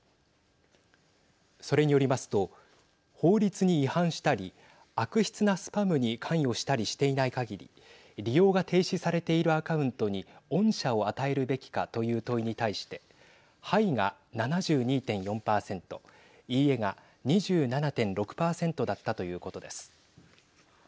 それによりますと法律に違反したり悪質なスパムに関与したりしていないかぎり利用が停止されているアカウントに恩赦を与えるべきかという問いに対してはいが７２．４％いいえが２７．６％だったということです。